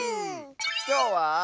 きょうは。